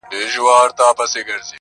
مه نیسه چېغو ته کاڼه غوږونه٫